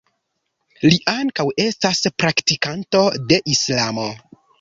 Li ankaŭ estas praktikanto de islamo.